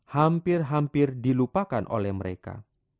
hampir hampir dilupakan oleh mereka